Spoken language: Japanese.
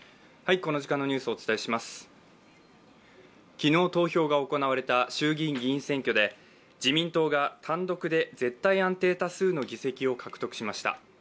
昨日投票が行われた衆議院議員選挙で自民党が、単独で絶対安定多数の議席を獲得しました。